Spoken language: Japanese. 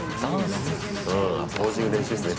ポージングの練習っすね